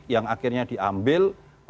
yang akhirnya diambil